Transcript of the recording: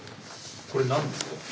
これ何ですか？